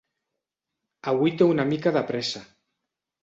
Avui té una mica de pressa.